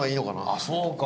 あっそうか！